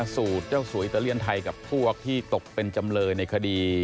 สูตรเจ้าสวยอิตาเลียนไทยกับพวกที่ตกเป็นจำเลยในคดี